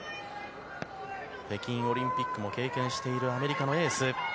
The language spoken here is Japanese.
北京オリンピックも経験しているアメリカのエース。